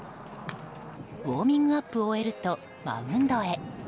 ウォーミングアップを終えるとマウンドへ。